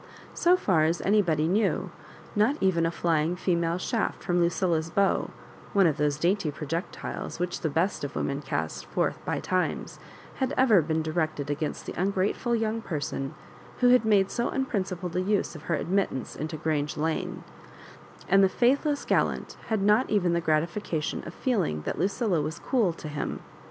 So far as anybody knew, not even a flying female shaft fiom Lucilla's bow, one of those dauity projectiles which the best of women cast forth by times, had ever been directed against the ungratefUl young person who had made so unprincipled a use of her admittance into Grange Lane ; and the faithless gallant had not even the gratification of feeling that Lucilla was " oool" to him.